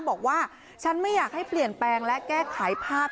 บอกว่าฉันไม่อยากให้เปลี่ยนแปลงและแก้ไขภาพ